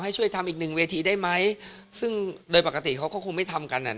ช่วยทำอีกหนึ่งเวทีได้ไหมซึ่งโดยปกติเขาก็คงไม่ทำกันอ่ะ